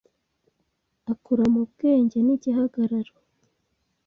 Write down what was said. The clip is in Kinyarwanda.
akura mu bwenge n igihagararo